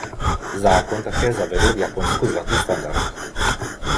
Zákon také zavedl v Japonsku zlatý standard.